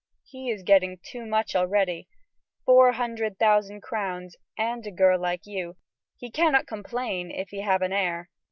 He is getting too much already; four hundred thousand crowns and a girl like you; he cannot complain if he have an heir.